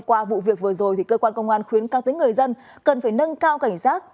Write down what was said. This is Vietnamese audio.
qua vụ việc vừa rồi cơ quan công an khuyến cao tính người dân cần phải nâng cao cảnh sát